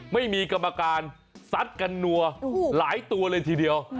ไม่มีกรรมการซัดกันนัวหลายตัวเลยทีเดียว